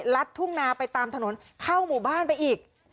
ทุ่งนาไปตามถนนเข้าหมู่บ้านไปอีก